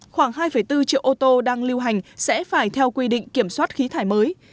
khoảng hai bốn triệu ô tô đang lưu hành sẽ phải theo quy định kiểm soát khí thải mới